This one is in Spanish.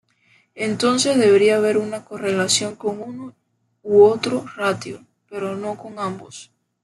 Entonces debería haber una correlación con uno u otro ratio, pero no con ambos.